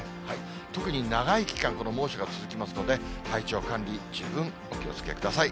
特に長い期間、この猛暑が続きますとね、体調管理、十分お気をつけください。